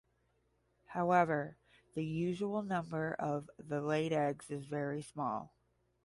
However the usual number of the laid eggs is very small.